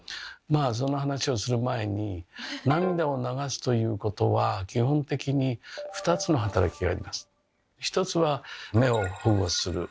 まあその話をする前に涙を流すということは基本的に２つの働きがあります。